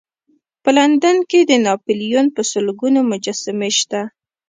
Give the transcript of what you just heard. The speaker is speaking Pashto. په لندن کې د ناپلیون په سلګونو مجسمې شته.